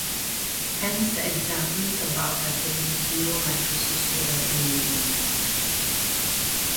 Hence the examples above represent zero matrices over any ring.